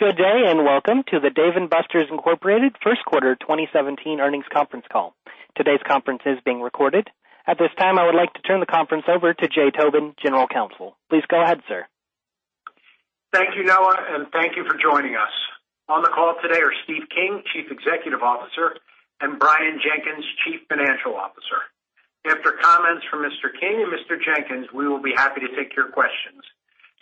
Welcome to the Dave & Buster's Entertainment, Inc. first quarter 2017 earnings conference call. Today's conference is being recorded. At this time, I would like to turn the conference over to Jay Tobin, General Counsel. Please go ahead, sir. Thank you, Noah. Thank you for joining us. On the call today are Steve King, Chief Executive Officer, and Brian Jenkins, Chief Financial Officer. After comments from Mr. King and Mr. Jenkins, we will be happy to take your questions.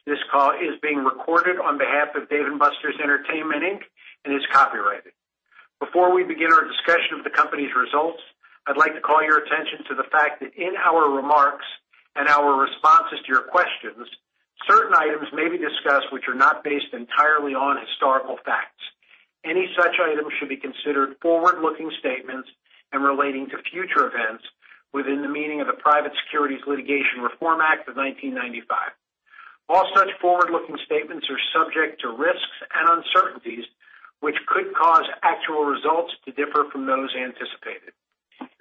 This call is being recorded on behalf of Dave & Buster's Entertainment, Inc. and is copyrighted. Before we begin our discussion of the company's results, I'd like to call your attention to the fact that in our remarks and our responses to your questions, certain items may be discussed which are not based entirely on historical facts. Any such items should be considered forward-looking statements and relating to future events within the meaning of the Private Securities Litigation Reform Act of 1995. All such forward-looking statements are subject to risks and uncertainties, which could cause actual results to differ from those anticipated.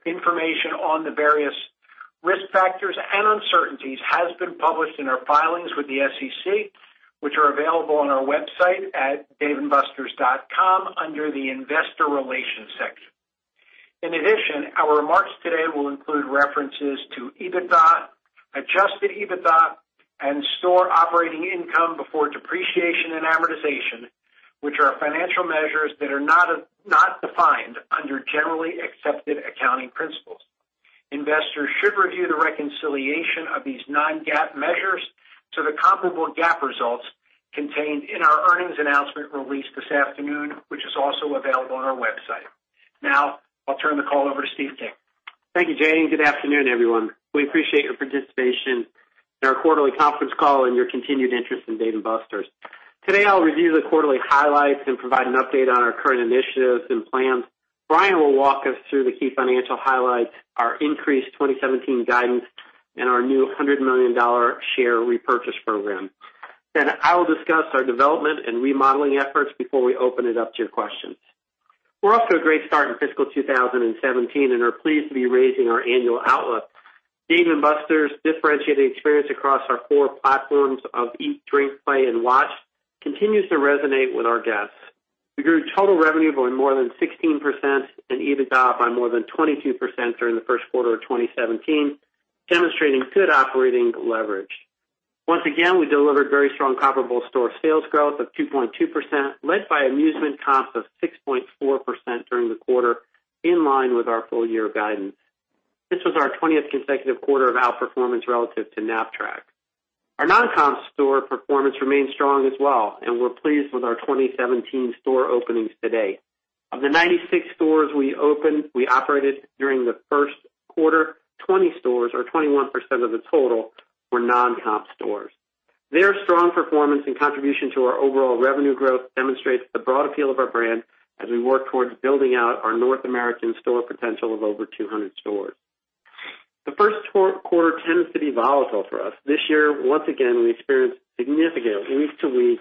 Information on the various risk factors and uncertainties has been published in our filings with the SEC, which are available on our website at daveandbusters.com under the investor relations section. In addition, our remarks today will include references to EBITDA, adjusted EBITDA, and store operating income before depreciation and amortization, which are financial measures that are not defined under generally accepted accounting principles. Investors should review the reconciliation of these non-GAAP measures to the comparable GAAP results contained in our earnings announcement release this afternoon, which is also available on our website. I'll turn the call over to Steve King. Thank you, Jay. Good afternoon, everyone. We appreciate your participation in our quarterly conference call and your continued interest in Dave & Buster's. Today, I'll review the quarterly highlights and provide an update on our current initiatives and plans. Brian will walk us through the key financial highlights, our increased 2017 guidance, and our new $100 million share repurchase program. I will discuss our development and remodeling efforts before we open it up to your questions. We're off to a great start in fiscal 2017 and are pleased to be raising our annual outlook. Dave & Buster's differentiating experience across our core platforms of eat, drink, play, and watch continues to resonate with our guests. We grew total revenue by more than 16% and EBITDA by more than 22% during the first quarter of 2017, demonstrating good operating leverage. Once again, we delivered very strong comparable store sales growth of 2.2%, led by amusement comps of 6.4% during the quarter, in line with our full-year guidance. This was our 20th consecutive quarter of outperformance relative to Knapp-Track. Our non-comp store performance remains strong as well, and we're pleased with our 2017 store openings to date. Of the 96 stores we opened, we operated during the first quarter, 20 stores or 21% of the total were non-comp stores. Their strong performance and contribution to our overall revenue growth demonstrates the broad appeal of our brand as we work towards building out our North American store potential of over 200 stores. The first quarter tends to be volatile for us. This year, once again, we experienced significant week-to-week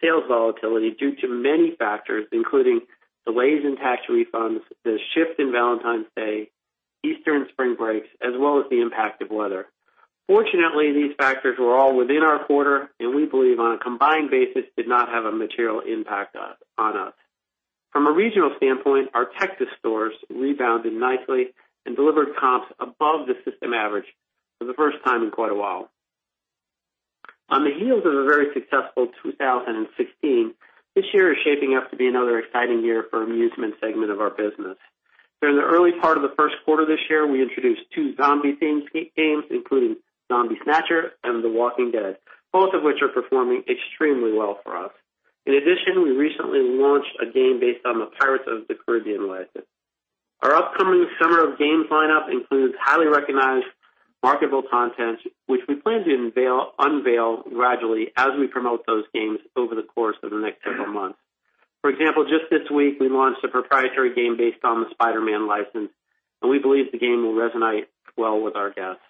sales volatility due to many factors, including delays in tax refunds, the shift in Valentine's Day, Easter spring breaks, as well as the impact of weather. Fortunately, these factors were all within our quarter, and we believe on a combined basis, did not have a material impact on us. From a regional standpoint, our Texas stores rebounded nicely and delivered comps above the system average for the first time in quite a while. On the heels of a very successful 2016, this year is shaping up to be another exciting year for amusement segment of our business. During the early part of the first quarter this year, we introduced two zombie-themed games, including Zombie Snatcher and The Walking Dead, both of which are performing extremely well for us. In addition, we recently launched a game based on the Pirates of the Caribbean license. Our upcoming summer of games lineup includes highly recognized marketable content, which we plan to unveil gradually as we promote those games over the course of the next several months. For example, just this week, we launched a proprietary game based on the Spider-Man license, and we believe the game will resonate well with our guests.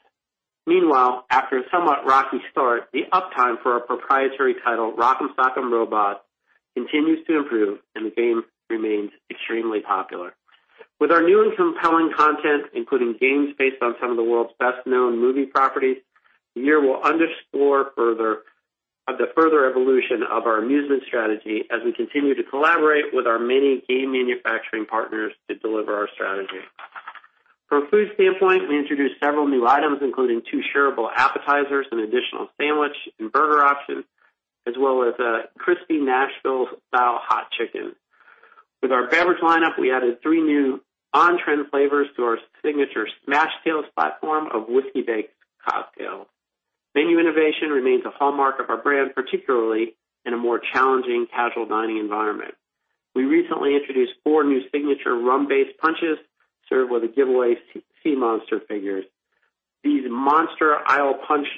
Meanwhile, after a somewhat rocky start, the uptime for our proprietary title, Rock Em Robots, continues to improve, and the game remains extremely popular. With our new and compelling content, including games based on some of the world's best-known movie properties, the year will underscore of the further evolution of our amusement strategy as we continue to collaborate with our many game manufacturing partners to deliver our strategy. From a food standpoint, we introduced several new items, including two shareable appetizers, an additional sandwich and burger option, as well as a crispy Nashville-style hot chicken. With our beverage lineup, we added three new on-trend flavors to our signature Smashtails platform of whiskey-based cocktail. Menu innovation remains a hallmark of our brand, particularly in a more challenging casual dining environment. We recently introduced four new signature rum-based punches served with a giveaway Sea Monster figure. This Monster Isle Punch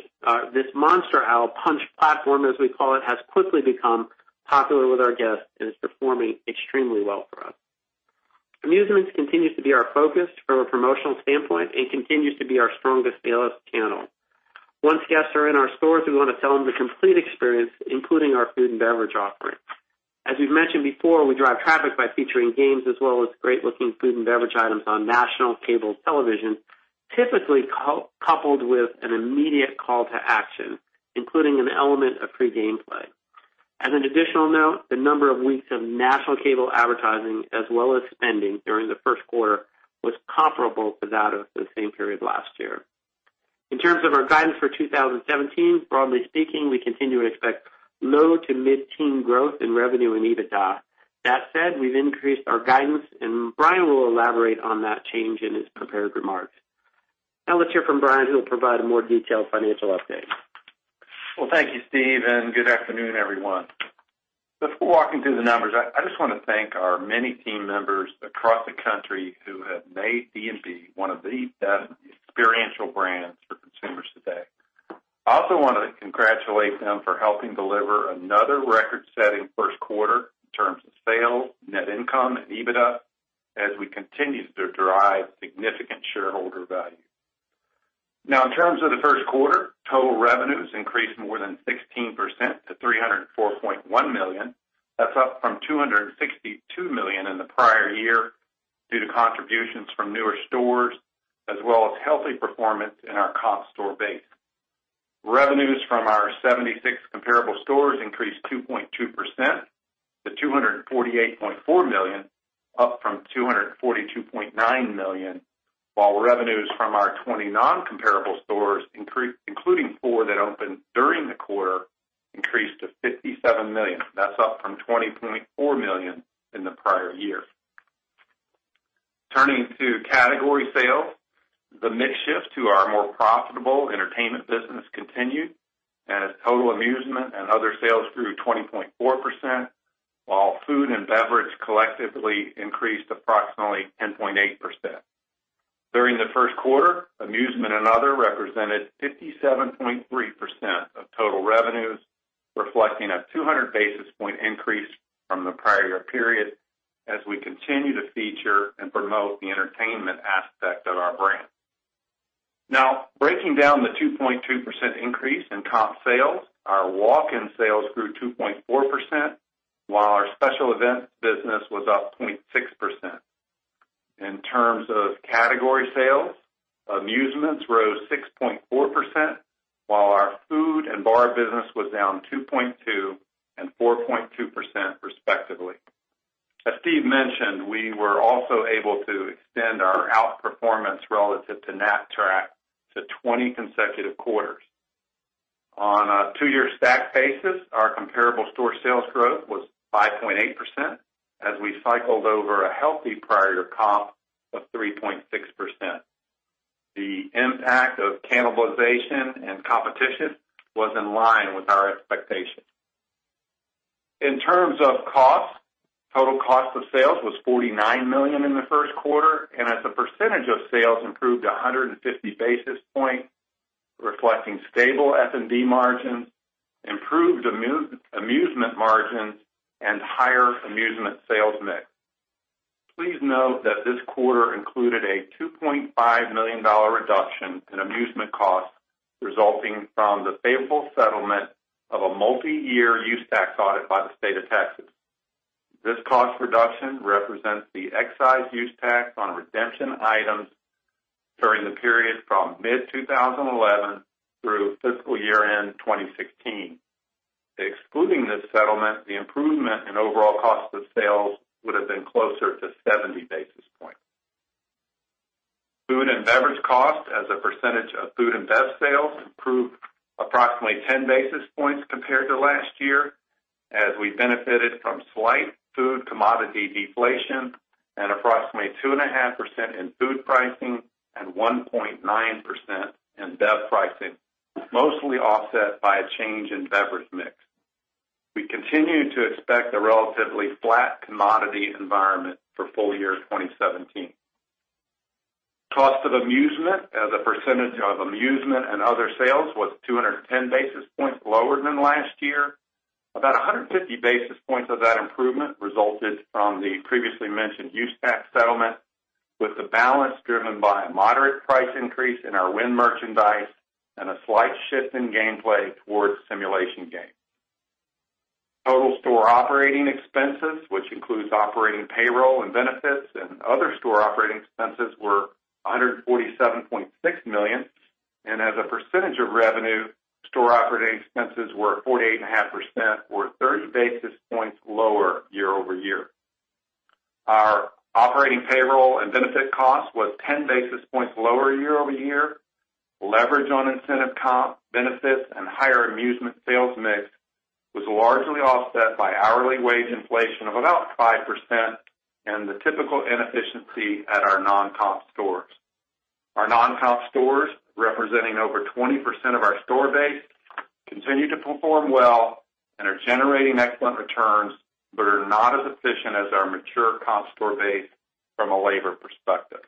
platform, as we call it, has quickly become popular with our guests and is performing extremely well for us. Amusements continues to be our focus from a promotional standpoint and continues to be our strongest sales channel. Once guests are in our stores, we want to sell them the complete experience, including our food and beverage offerings. As we've mentioned before, we drive traffic by featuring games as well as great-looking food and beverage items on national cable television. Typically coupled with an immediate call to action, including an element of free game play. As an additional note, the number of weeks of national cable advertising, as well as spending during the first quarter, was comparable to that of the same period last year. In terms of our guidance for 2017, broadly speaking, we continue to expect low to mid-teen growth in revenue and EBITDA. That said, we've increased our guidance, and Brian will elaborate on that change in his prepared remarks. Let's hear from Brian, who will provide a more detailed financial update. Well, thank you, Steve. Good afternoon, everyone. Before walking through the numbers, I just want to thank our many team members across the country who have made D&B one of the best experiential brands for consumers today. I also want to congratulate them for helping deliver another record-setting first quarter in terms of sales, net income and EBITDA, as we continue to derive significant shareholder value. In terms of the first quarter, total revenues increased more than 16% to $304.1 million. That's up from $262 million in the prior year, due to contributions from newer stores, as well as healthy performance in our comp store base. Revenues from our 76 comparable stores increased 2.2% to $248.4 million, up from $242.9 million, while revenues from our 20 non-comparable stores, including four that opened during the quarter, increased to $57 million. That's up from $20.4 million in the prior year. Turning to category sales, the mix shift to our more profitable entertainment business continued as total amusement and other sales grew 20.4%, while food and beverage collectively increased approximately 10.8%. During the first quarter, amusement and other represented 57.3% of total revenues, reflecting a 200 basis point increase from the prior year period as we continue to feature and promote the entertainment aspect of our brand. Breaking down the 2.2% increase in comp sales, our walk-in sales grew 2.4%, while our special events business was up 0.6%. In terms of category sales, amusements rose 6.4%, while our food and bar business was down 2.2% and 4.2% respectively. As Steve mentioned, we were also able to extend our outperformance relative to Knapp-Track to 20 consecutive quarters. On a two-year stack basis, our comparable store sales growth was 5.8% as we cycled over a healthy prior year comp of 3.6%. The impact of cannibalization and competition was in line with our expectations. In terms of costs, total cost of sales was $49 million in the first quarter and as a percentage of sales improved 150 basis points, reflecting stable S&D margin, improved amusement margin and higher amusement sales mix. Please note that this quarter included a $2.5 million reduction in amusement costs resulting from the favorable settlement of a multi-year use tax audit by the state of Texas. This cost reduction represents the excise use tax on redemption items during the period from mid-2011 through fiscal year-end 2016. Excluding this settlement, the improvement in overall cost of sales would have been closer to 70 basis points. Food and beverage cost as a percentage of food and bev sales improved approximately 10 basis points compared to last year, as we benefited from slight food commodity deflation and approximately 2.5% in food pricing and 1.9% in bev pricing, mostly offset by a change in beverage mix. We continue to expect a relatively flat commodity environment for full year 2017. Cost of amusement as a percentage of amusement and other sales was 210 basis points lower than last year. About 150 basis points of that improvement resulted from the previously mentioned use tax settlement, with the balance driven by a moderate price increase in our win merchandise and a slight shift in gameplay towards simulation games. Total store operating expenses, which includes operating payroll and benefits and other store operating expenses, were $147.6 million. As a percentage of revenue, store operating expenses were 48.5%, or 30 basis points lower year over year. Our operating payroll and benefit cost was 10 basis points lower year over year. Leverage on incentive comp, benefits, and higher amusement sales mix was largely offset by hourly wage inflation of about 5% and the typical inefficiency at our non-comp stores. Our non-comp stores, representing over 20% of our store base, continue to perform well and are generating excellent returns but are not as efficient as our mature comp store base from a labor perspective.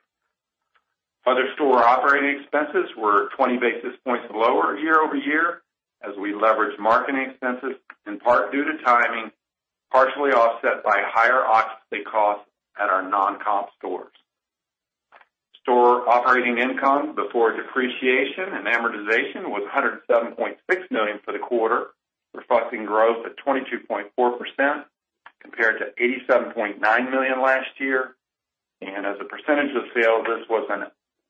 Other store operating expenses were 20 basis points lower year over year as we leveraged marketing expenses, in part due to timing, partially offset by higher occupancy costs at our non-comp stores. Store operating income before depreciation and amortization was $107.6 million for the quarter, reflecting growth of 22.4%. Compared to $87.9 million last year. As a percentage of sales, this was an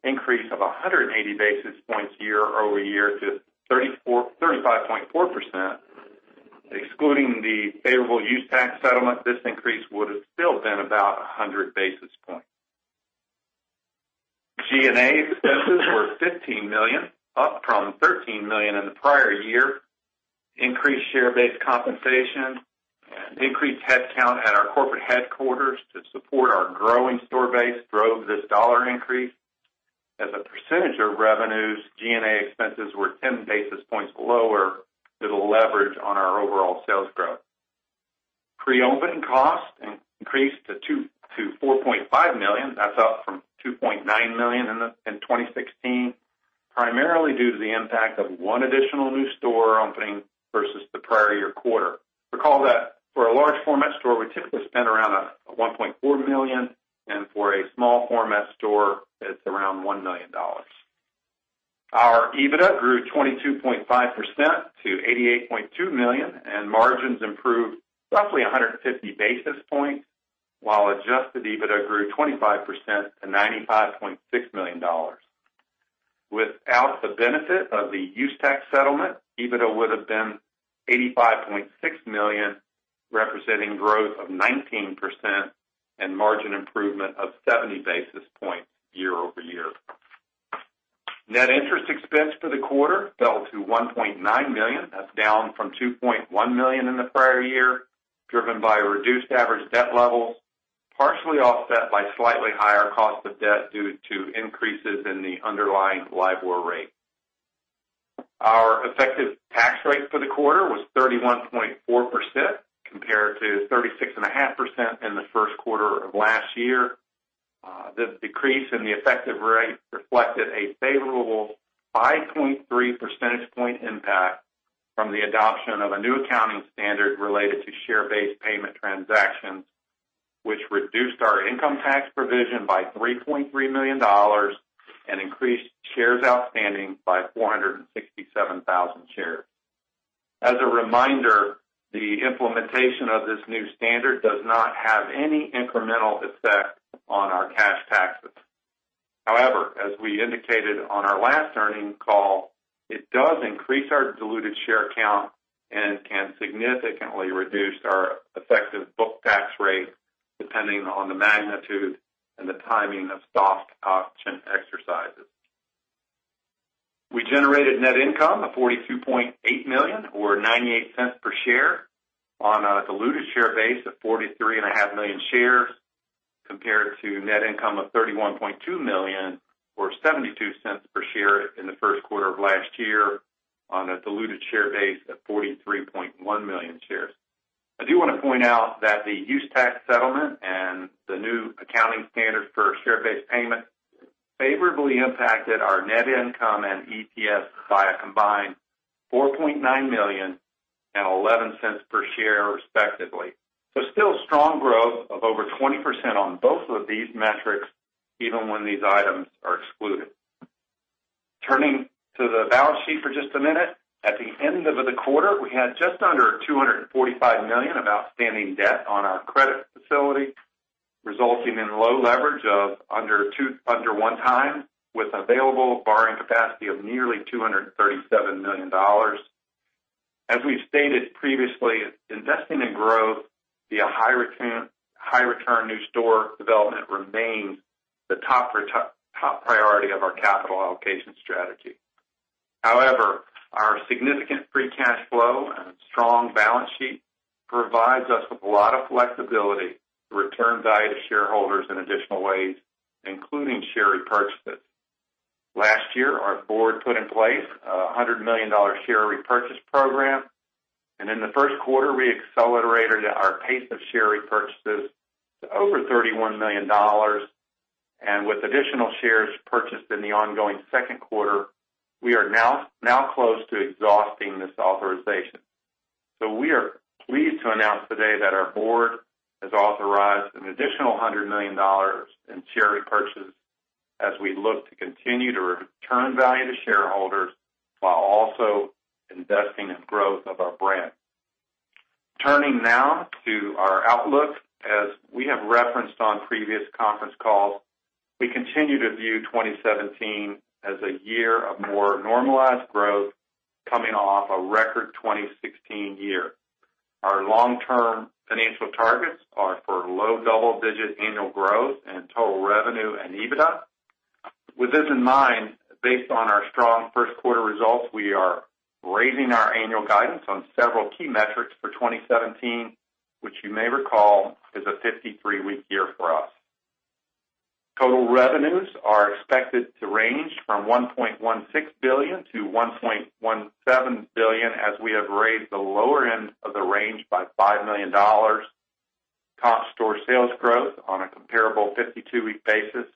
increase of 180 basis points year over year to 35.4%. Excluding the favorable use tax settlement, this increase would have still been about 100 basis points. G&A expenses were $15 million, up from $13 million in the prior year. Increased share-based compensation and increased headcount at our corporate headquarters to support our growing store base drove this dollar increase. As a percentage of revenues, G&A expenses were 10 basis points lower as a leverage on our overall sales growth. Pre-opening costs increased to $4.5 million. That's up from $2.9 million in 2016, primarily due to the impact of one additional new store opening versus the prior year quarter. Recall that for a large format store, we typically spend around $1.4 million, and for a small format store, it's around $1 million. Our EBITDA grew 22.5% to $88.2 million, and margins improved roughly 150 basis points, while adjusted EBITDA grew 25% to $95.6 million. Without the benefit of the use tax settlement, EBITDA would have been $85.6 million, representing growth of 19% and margin improvement of 70 basis points year over year. Net interest expense for the quarter fell to $1.9 million. That's down from $2.1 million in the prior year, driven by reduced average debt levels, partially offset by slightly higher cost of debt due to increases in the underlying LIBOR rate. Our effective tax rate for the quarter was 31.4% compared to 36.5% in the first quarter of last year. The decrease in the effective rate reflected a favorable 5.3 percentage point impact from the adoption of a new accounting standard related to share-based payment transactions, which reduced our income tax provision by $3.3 million and increased shares outstanding by 467,000 shares. As a reminder, the implementation of this new standard does not have any incremental effect on our cash taxes. However, as we indicated on our last earning call, it does increase our diluted share count and can significantly reduce our effective book tax rate depending on the magnitude and the timing of stock option exercises. We generated net income of $42.8 million, or $0.98 per share, on a diluted share base of 43.5 million shares, compared to net income of $31.2 million or $0.72 per share in the first quarter of last year on a diluted share base of 43.1 million shares. I do want to point out that the use tax settlement and the new accounting standard for share-based payment favorably impacted our net income and EPS by a combined $4.9 million and $0.11 per share, respectively. Still strong growth of over 20% on both of these metrics, even when these items are excluded. Turning to the balance sheet for just a minute. At the end of the quarter, we had just under $245 million of outstanding debt on our credit facility, resulting in low leverage of under one time with available borrowing capacity of nearly $237 million. As we've stated previously, investing in growth via high return new store development remains the top priority of our capital allocation strategy. However, our significant free cash flow and strong balance sheet provides us with a lot of flexibility to return value to shareholders in additional ways, including share repurchases. Last year, our board put in place a $100 million share repurchase program, and in the first quarter, we accelerated our pace of share repurchases to over $31 million. With additional shares purchased in the ongoing second quarter, we are now close to exhausting this authorization. We are pleased to announce today that our board has authorized an additional $100 million in share repurchases as we look to continue to return value to shareholders while also investing in growth of our brand. Turning now to our outlook. As we have referenced on previous conference calls, we continue to view 2017 as a year of more normalized growth coming off a record 2016 year. Our long-term financial targets are for low double-digit annual growth and total revenue and EBITDA. With this in mind, based on our strong first quarter results, we are raising our annual guidance on several key metrics for 2017, which you may recall is a 53-week year for us. Total revenues are expected to range from $1.16 billion to $1.17 billion as we have raised the lower end of the range by $5 million. Top store sales growth on a comparable 52-week basis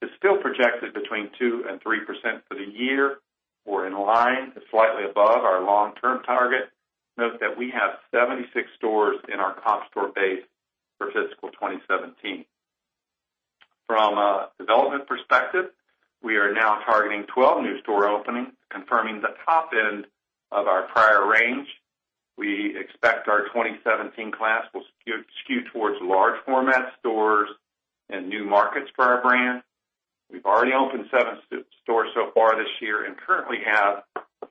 is still projected between 2% and 3% for the year. We're in line to slightly above our long-term target. Note that we have 76 stores in our top store base for fiscal 2017. From a development perspective, we are now targeting 12 new store openings, confirming the top end of our prior range. We expect our 2017 class will skew towards large format stores and new markets for our brand. We've already opened seven stores so far this year and currently have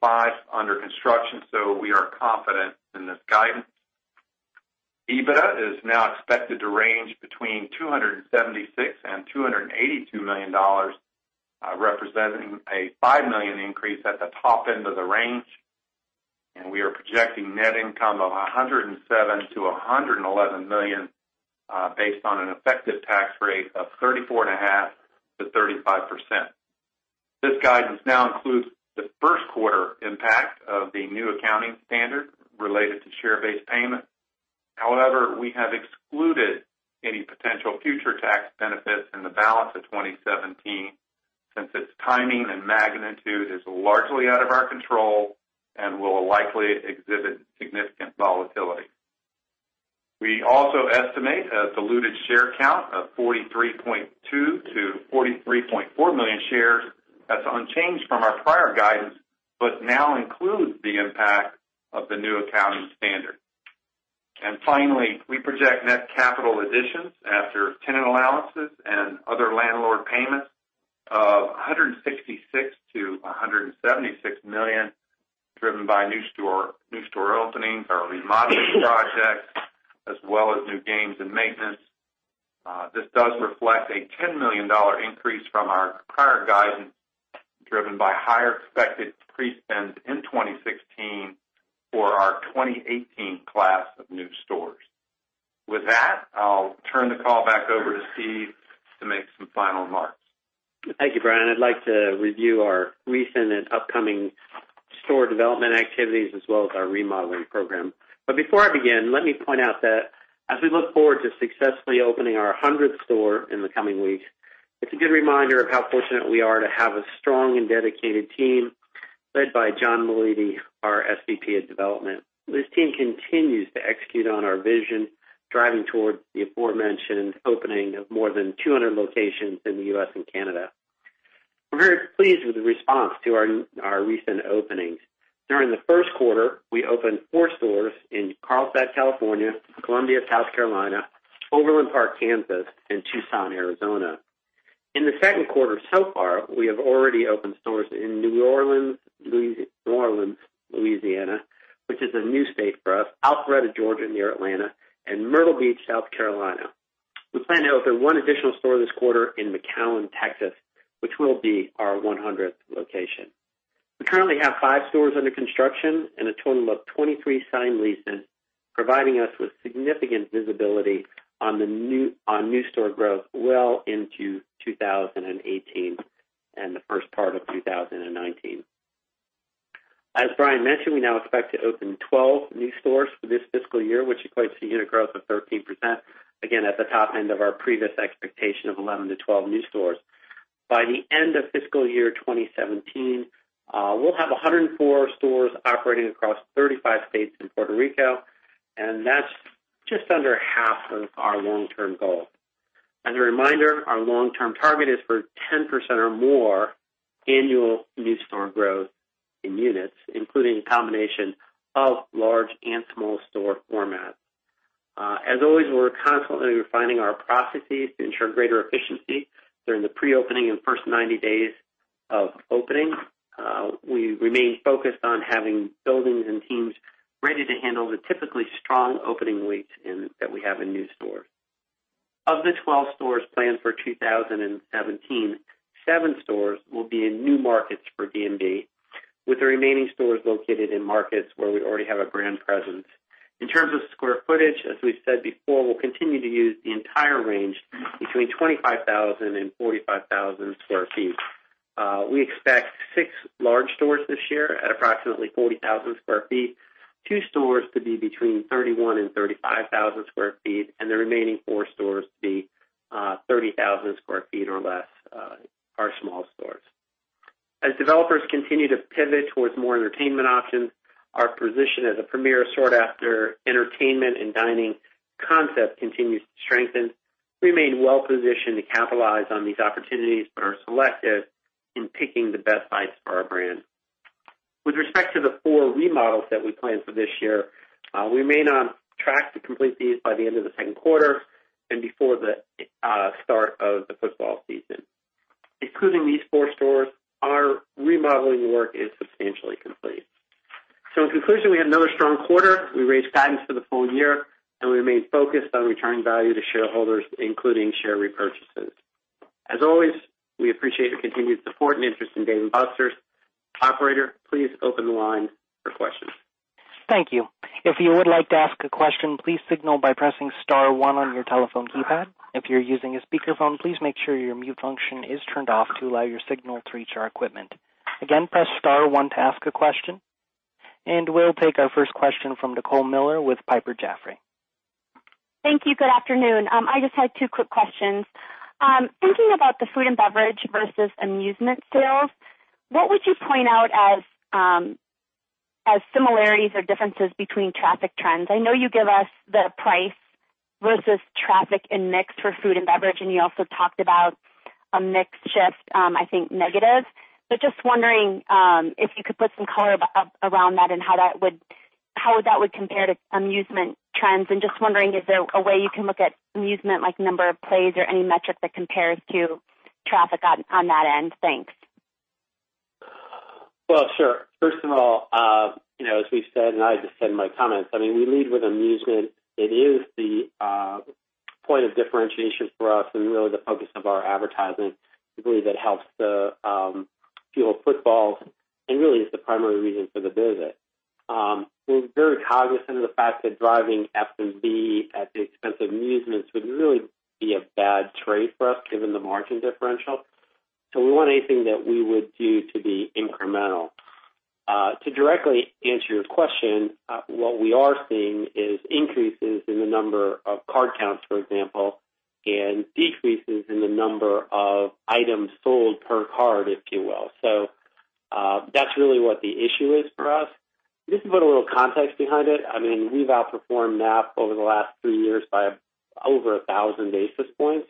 five under construction. We are confident in this guidance. EBITDA is now expected to range between $276 million and $282 million, representing a $5 million increase at the top end of the range. We are projecting net income of $107 million to $111 million, based on an effective tax rate of 34.5% to 35%. This guidance now includes the first quarter impact of the new accounting standard related to share-based payment. However, we have excluded any potential future tax benefits in the balance of 2017, since its timing and magnitude is largely out of our control and will likely exhibit significant volatility. We also estimate a diluted share count of 43.2 million to 43.4 million shares. That's unchanged from our prior guidance, but now includes the impact of the new accounting standard. Finally, we project net capital additions after tenant allowances and other landlord payments of $166 million to $176 million, driven by new store openings or remodeling projects, as well as new games and maintenance. This does reflect a $10 million increase from our prior guidance, driven by higher expected pre-spends in 2016 for our 2018 class of new stores. With that, I'll turn the call back over to Steve to make some final remarks. Thank you, Brian. I'd like to review our recent and upcoming store development activities, as well as our remodeling program. Before I begin, let me point out that as we look forward to successfully opening our 100th store in the coming weeks, it's a good reminder of how fortunate we are to have a strong and dedicated team led by John Melli, our SVP of Development. This team continues to execute on our vision, driving towards the aforementioned opening of more than 200 locations in the U.S. and Canada. We're very pleased with the response to our recent openings. During the first quarter, we opened four stores in Carlsbad, California, Columbia, South Carolina, Overland Park, Kansas, and Tucson, Arizona. In the second quarter so far, we have already opened stores in New Orleans, Louisiana, which is a new state for us, Alpharetta, Georgia, near Atlanta, and Myrtle Beach, South Carolina. We plan to open one additional store this quarter in McAllen, Texas, which will be our 100th location. We currently have five stores under construction and a total of 23 signed leases, providing us with significant visibility on new store growth well into 2018 and the first part of 2019. As Brian mentioned, we now expect to open 12 new stores for this fiscal year, which equates to unit growth of 13%, again, at the top end of our previous expectation of 11 to 12 new stores. By the end of fiscal year 2017, we'll have 104 stores operating across 35 states and Puerto Rico. That's just under half of our long-term goal. As a reminder, our long-term target is for 10% or more annual new store growth in units, including a combination of large and small store formats. As always, we're constantly refining our processes to ensure greater efficiency during the pre-opening and first 90 days of opening. We remain focused on having buildings and teams ready to handle the typically strong opening weeks that we have in new stores. Of the 12 stores planned for 2017, seven stores will be in new markets for D&B, with the remaining stores located in markets where we already have a brand presence. In terms of square footage, as we've said before, we'll continue to use the entire range between 25,000 and 45,000 square feet. We expect six large stores this year at approximately 40,000 square feet, two stores to be between 31,000 and 35,000 square feet, and the remaining four stores to be 30,000 square feet or less, our small stores. As developers continue to pivot towards more entertainment options, our position as a premier sought-after entertainment and dining concept continues to strengthen. We remain well positioned to capitalize on these opportunities but are selective in picking the best sites for our brand. With respect to the four remodels that we planned for this year, we may now track to complete these by the end of the second quarter and before the start of the football season. Including these four stores, our remodeling work is substantially complete. In conclusion, we had another strong quarter. We raised guidance for the full year, and we remain focused on returning value to shareholders, including share repurchases. As always, we appreciate your continued support and interest in Dave & Buster's. Operator, please open the line for questions. Thank you. If you would like to ask a question, please signal by pressing *1 on your telephone keypad. If you're using a speakerphone, please make sure your mute function is turned off to allow your signal to reach our equipment. Again, press *1 to ask a question, and we'll take our first question from Nicole Miller with Piper Jaffray. Thank you. Good afternoon. I just had two quick questions. Thinking about the food and beverage versus amusement sales, what would you point out as similarities or differences between traffic trends. I know you give us the price versus traffic and mix for food and beverage, and you also talked about a mix shift, I think negative. Just wondering if you could put some color around that and how that would compare to amusement trends. Just wondering if there is a way you can look at amusement, like number of plays or any metric that compares to traffic on that end. Thanks. Well, sure. First of all, as we said, and I just said in my comments, we lead with amusement. It is the point of differentiation for us and really the focus of our advertising. We believe it helps to fuel footfall and really is the primary reason for the visit. We are very cognizant of the fact that driving F&B at the expense of amusements would really be a bad trade for us, given the margin differential. We want anything that we would do to be incremental. To directly answer your question, what we are seeing is increases in the number of card counts, for example, and decreases in the number of items sold per card, if you will. That is really what the issue is for us. Just to put a little context behind it, we have outperformed Knapp-Track over the last three years by over 1,000 basis points.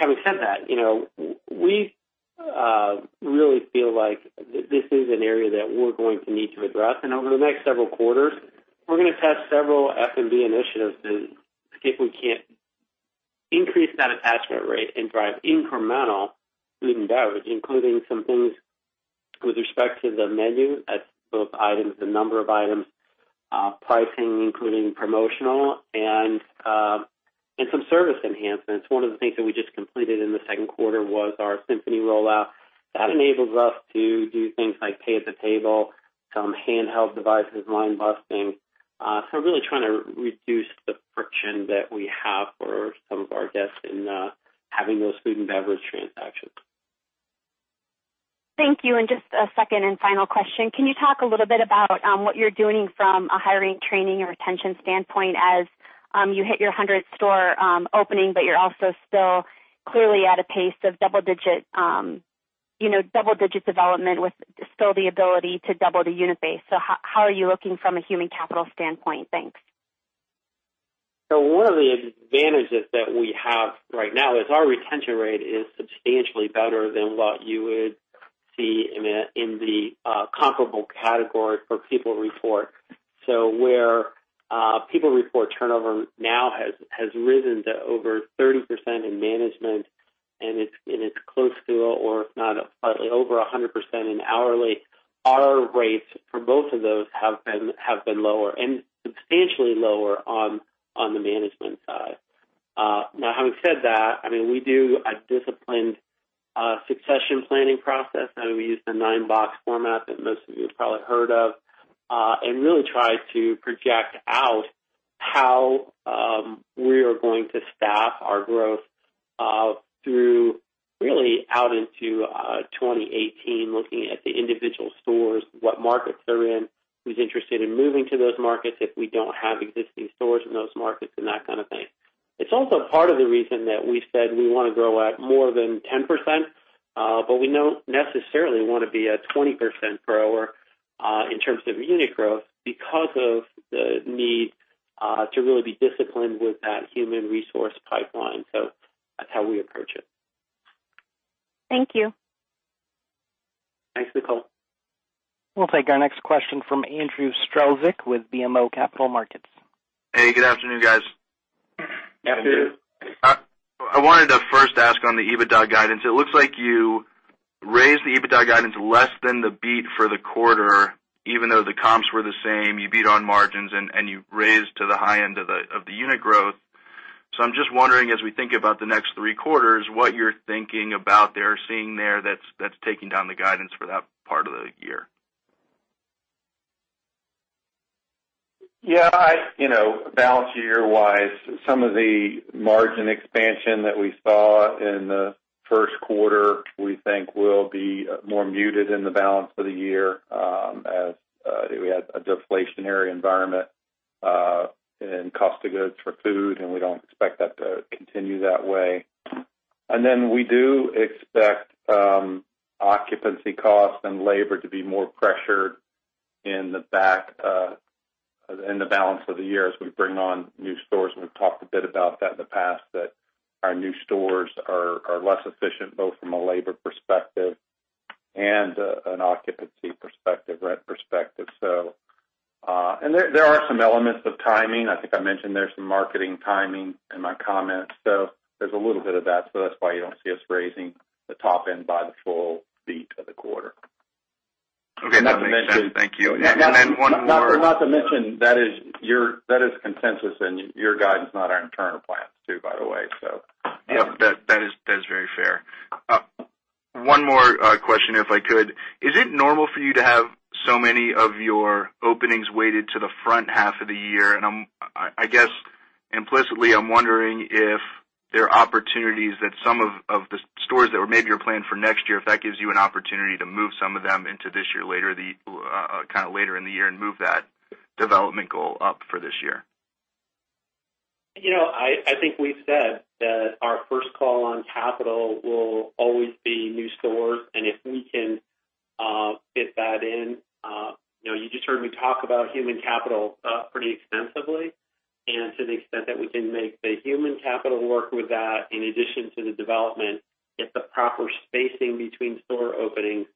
Having said that, we really feel like this is an area that we are going to need to address. Over the next several quarters, we are going to test several F&B initiatives to see if we can increase that attachment rate and drive incremental food and beverage, including some things with respect to the menu, as both items, the number of items, pricing, including promotional, and some service enhancements. One of the things that we just completed in the second quarter was our Symphony rollout. That enables us to do things like pay at the table, some handheld devices, line busting. We are really trying to reduce the friction that we have for some of our guests in having those food and beverage transactions. Thank you. Just a second and final question. Can you talk a little bit about what you are doing from a hiring, training, or retention standpoint as you hit your 100th store opening, but you are also still clearly at a pace of double-digit development with still the ability to double the unit base. How are you looking from a human capital standpoint? Thanks. One of the advantages that we have right now is our retention rate is substantially better than what you would see in the comparable category for People Report. Where People Report turnover now has risen to over 30% in management and it's close to, or if not slightly over 100% in hourly. Our rates for both of those have been lower and substantially lower on the management side. Having said that, we do a disciplined succession planning process. We use the nine-box format that most of you have probably heard of and really try to project out how we are going to staff our growth through really out into 2018, looking at the individual stores, what markets they're in, who's interested in moving to those markets, if we don't have existing stores in those markets and that kind of thing. It's also part of the reason that we said we want to grow at more than 10%, but we don't necessarily want to be a 20% grower, in terms of unit growth because of the need to really be disciplined with that human resource pipeline. That's how we approach it. Thank you. Thanks, Nicole. We'll take our next question from Andrew Strelzik with BMO Capital Markets. Hey, good afternoon, guys. Afternoon. I wanted to first ask on the EBITDA guidance. It looks like you raised the EBITDA guidance less than the beat for the quarter, even though the comps were the same, you beat on margins, and you raised to the high end of the unit growth. I'm just wondering, as we think about the next three quarters, what you're thinking about there or seeing there that's taking down the guidance for that part of the year. Yeah. Balance year wise, some of the margin expansion that we saw in the first quarter we think will be more muted in the balance of the year, as we had a deflationary environment, in cost of goods for food, and we don't expect that to continue that way. Then we do expect occupancy costs and labor to be more pressured in the balance of the year as we bring on new stores. We've talked a bit about that in the past, that our new stores are less efficient, both from a labor perspective and an occupancy perspective, rent perspective. There are some elements of timing. I think I mentioned there's some marketing timing in my comments. There's a little bit of that. That's why you don't see us raising the top end by the full beat of the quarter. Okay. That makes sense. Thank you. One more. Not to mention, that is consensus and your guide is not our internal plans too, by the way. Yep. That is very fair. One more question, if I could. Is it normal for you to have so many of your openings weighted to the front half of the year? I guess implicitly, I'm wondering if there are opportunities that some of the stores that were maybe planned for next year, if that gives you an opportunity to move some of them into this year later, kind of later in the year and move that development goal up for this year. I think we've said that our first call on capital will always be new stores. If we can fit that in, you just heard me talk about human capital pretty extensively, to the extent that we can make the human capital work with that, in addition to the development, get the proper spacing between store openings,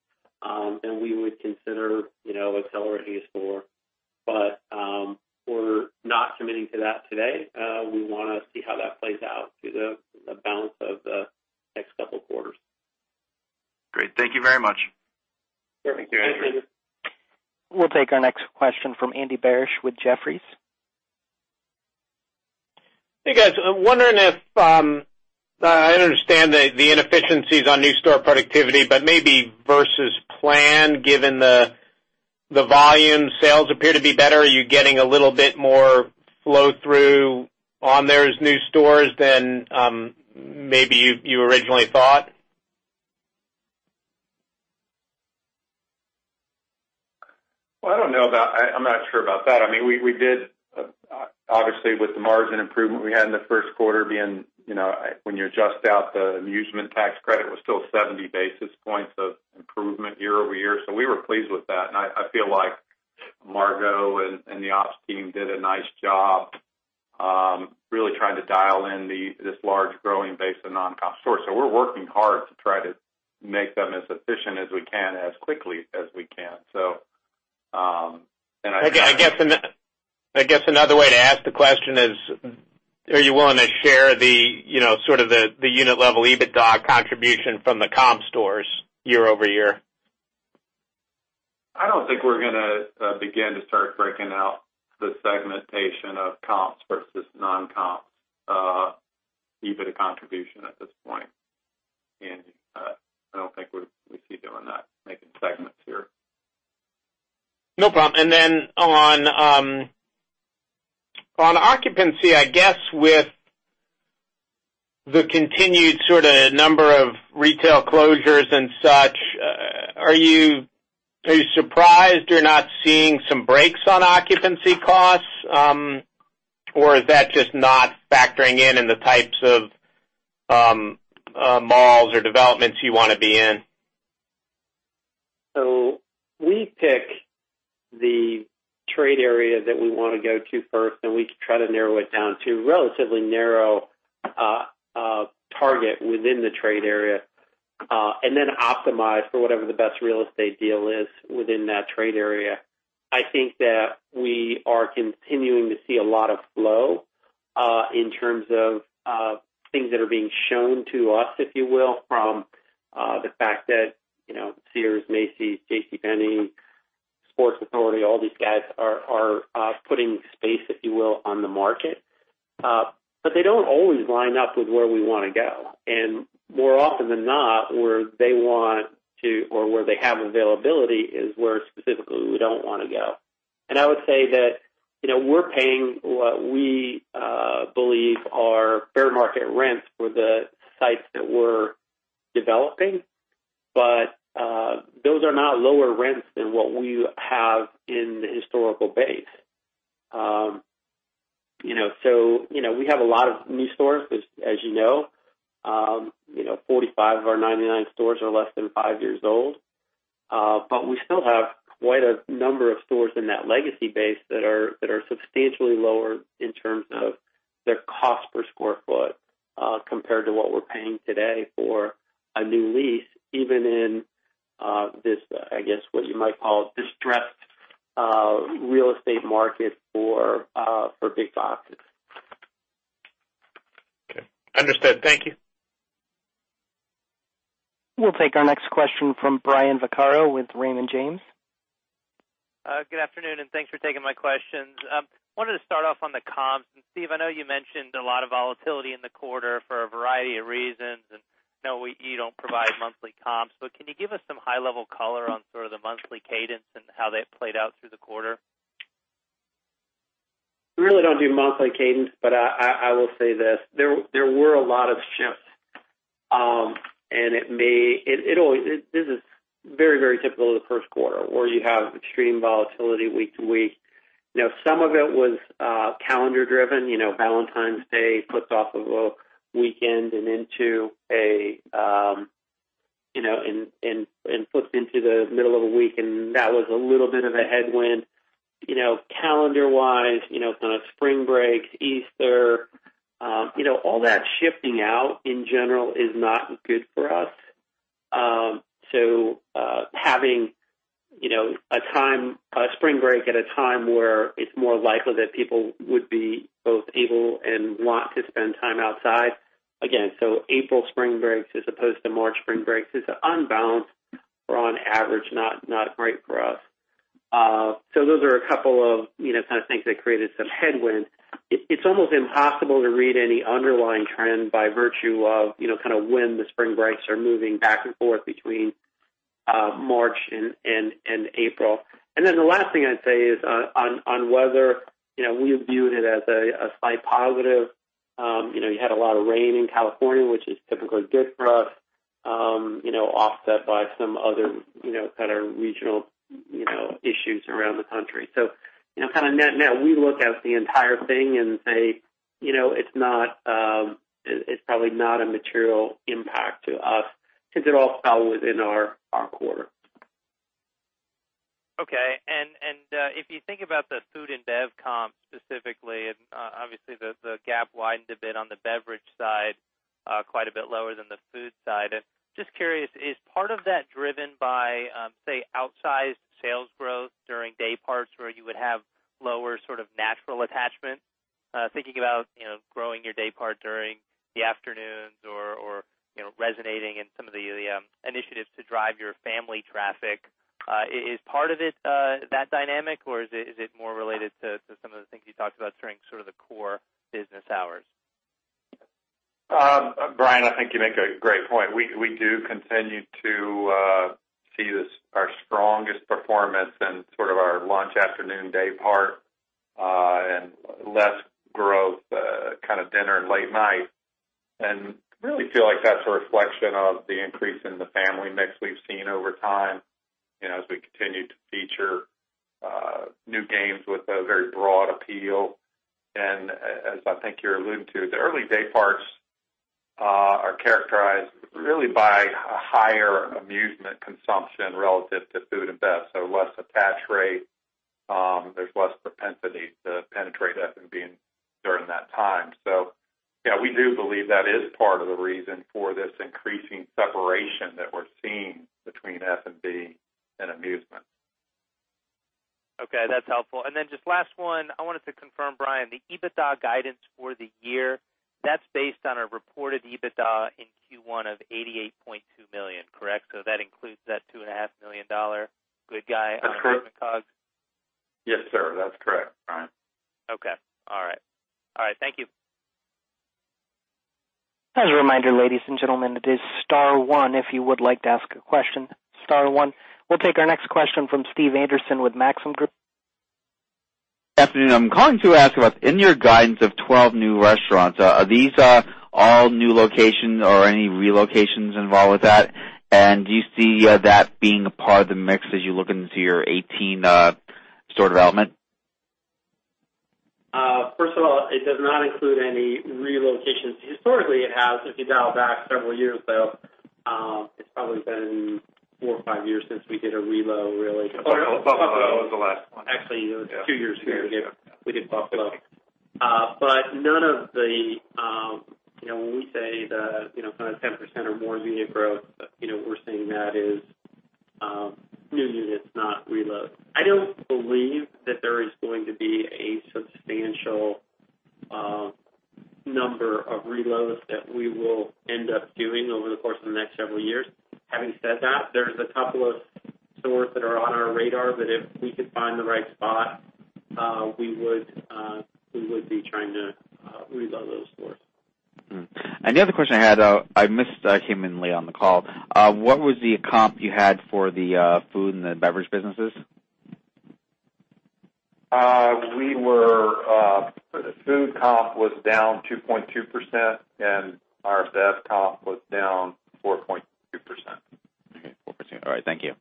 then we would consider accelerating a store. We're not committing to that today. We want to see how that plays out through the balance of the next couple of quarters. Great. Thank you very much. Sure. Thank you. We'll take our next question from Andy Barish with Jefferies. Hey, guys. I'm wondering if I understand the inefficiencies on new store productivity, but maybe versus plan, given the volume sales appear to be better. Are you getting a little bit more flow through on those new stores than maybe you originally thought? I'm not sure about that. We did, obviously, with the margin improvement we had in the first quarter being, when you adjust out the amusement tax credit, was still 70 basis points of improvement year-over-year. We were pleased with that. I feel like Margo and the ops team did a nice job really trying to dial in this large growing base of non-comp stores. We're working hard to try to make them as efficient as we can, as quickly as we can. I guess another way to ask the question is, are you willing to share the unit level EBITDA contribution from the comp stores year-over-year? I don't think we're going to begin to start breaking out the segmentation of comps versus non-comps EBITDA contribution at this point, Andy. I don't think we see doing that, making segments here. No problem. Then on occupancy, I guess with the continued sort of number of retail closures and such, are you surprised you're not seeing some breaks on occupancy costs? Or is that just not factoring in in the types of malls or developments you want to be in? We pick the trade area that we want to go to first, we try to narrow it down to relatively narrow target within the trade area, then optimize for whatever the best real estate deal is within that trade area. I think that we are continuing to see a lot of flow in terms of things that are being shown to us, if you will, from the fact that Sears, Macy's, JCPenney, Sports Authority, all these guys are putting space, if you will, on the market. They don't always line up with where we want to go. More often than not, where they want to or where they have availability is where specifically we don't want to go. I would say that we're paying what we believe are fair market rents for the sites that we're developing. Those are not lower rents than what we have in the historical base. We have a lot of new stores, as you know. 45 of our 99 stores are less than five years old. We still have quite a number of stores in that legacy base that are substantially lower in terms of their cost per square foot compared to what we're paying today for a new lease, even in this, I guess, what you might call a distressed real estate market for big boxes. Okay. Understood. Thank you. We'll take our next question from Brian Vaccaro with Raymond James. Good afternoon. Thanks for taking my questions. Wanted to start off on the comps. Steve, I know you mentioned a lot of volatility in the quarter for a variety of reasons. I know you don't provide monthly comps, but can you give us some high level color on sort of the monthly cadence and how that played out through the quarter? We really don't do monthly cadence, but I will say this: there were a lot of shifts. This is very typical of the first quarter, where you have extreme volatility week to week. Some of it was calendar driven. Valentine's Day flipped off of a weekend and flipped into the middle of a week, and that was a little bit of a headwind. Calendar wise, spring breaks, Easter, all that shifting out in general is not good for us. Having a spring break at a time where it's more likely that people would be both able and want to spend time outside. Again, April spring breaks as opposed to March spring breaks is an unbalance or on average, not great for us. Those are a couple of things that created some headwinds. It's almost impossible to read any underlying trend by virtue of when the spring breaks are moving back and forth between March and April. The last thing I'd say is on weather, we viewed it as a slight positive. You had a lot of rain in California, which is typically good for us. Offset by some other regional issues around the country. Net-net, we look at the entire thing and say it's probably not a material impact to us since they're all within our core. Okay. If you think about the food and bev comp specifically, obviously the gap widened a bit on the beverage side, quite a bit lower than the food side. Just curious, is part of that driven by, say, outsized sales growth during day parts where you would have lower sort of natural attachment? Thinking about growing your day part during the afternoons or resonating in some of the initiatives to drive your family traffic. Is part of it that dynamic, or is it more related to some of the things you talked about during the core business hours? Brian, I think you make a great point. We do continue to see our strongest performance in sort of our lunch, afternoon day part, and less growth kind of dinner and late night. Really feel like that's a reflection of the increase in the family mix we've seen over time as we continue to feature new games with a very broad appeal. As I think you're alluding to, the early day parts are characterized really by higher amusement consumption relative to food and bev, so less attach rate. There's less propensity to penetrate F&B during that time. Yeah, we do believe that is part of the reason for this increasing separation that we're seeing between F&B and amusement. Okay, that's helpful. Just last one. I wanted to confirm, Brian, the EBITDA guidance for the year, that's based on a reported EBITDA in Q1 of $88.2 million, correct? That includes that $2.5 million good guy- That's correct. -on equipment COGS. Yes, sir. That's correct, Brian. Okay. All right. Thank you. As a reminder, ladies and gentlemen, it is star one if you would like to ask a question, star one. We'll take our next question from Stephen Anderson with Maxim Group. Good afternoon. I'm calling to ask about in your guidance of 12 new restaurants, are these all new locations or any relocations involved with that? Do you see that being a part of the mix as you look into your 2018 store development? First of all, it does not include any relocations. Historically, it has, if you dial back several years, though it's probably been four or five years since we did a relo, really. Buffalo was the last one. Actually, it was two years ago. Yeah, two years ago. We did Buffalo. When we say the kind of 10% or more unit growth, we are saying that is new units, not relos. I do not believe that there is going to be a substantial number of relos that we will end up doing over the course of the next several years. Having said that, there is a couple of stores that are on our radar that if we could find the right spot, we would be trying to relo those stores. The other question I had, I missed [inaudible] on the call. What was the comp you had for the food and the beverage businesses? The food comp was down 2.2%, and our bev comp was down 4.2%. Okay, 4%. All right, thank you.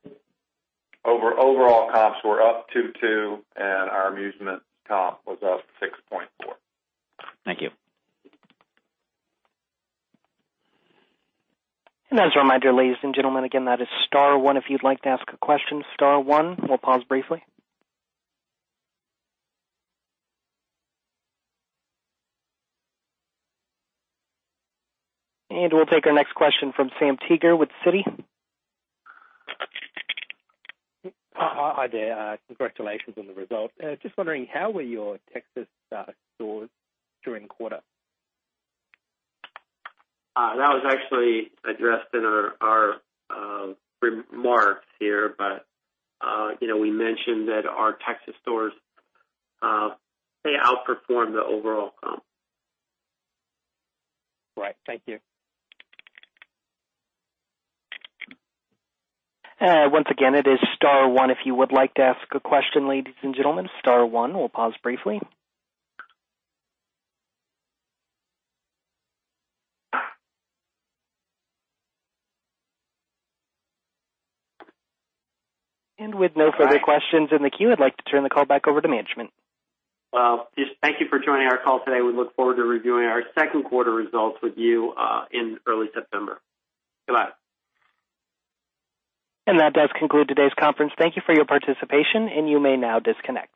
Overall comps were up 2.2%, and our amusement comp was up 6.4%. Thank you. As a reminder, ladies and gentlemen, again, that is star one if you'd like to ask a question, star one. We'll pause briefly. We'll take our next question from Sam Teeger with Citi. Hi there. Congratulations on the results. Just wondering, how were your Texas stores during quarter? That was actually addressed in our remarks here. We mentioned that our Texas stores, they outperformed the overall comp. Right. Thank you. Once again, it is star one if you would like to ask a question, ladies and gentlemen, star one. We'll pause briefly. With no further questions in the queue, I'd like to turn the call back over to management. Well, just thank you for joining our call today. We look forward to reviewing our second quarter results with you in early September. Goodbye. That does conclude today's conference. Thank you for your participation, and you may now disconnect.